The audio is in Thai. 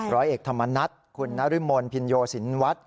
ร้อยเอกธรรมนัฐคุณนริมมลพิญโยศินวัตร